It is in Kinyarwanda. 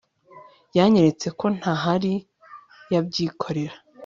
Yanyeretse ko ntahari yabyikorera